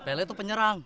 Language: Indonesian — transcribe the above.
pele itu penyerang